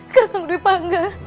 kakak berdua panggang